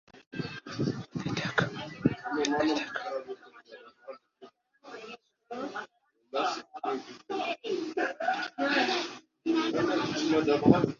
كان فاضل سكرا.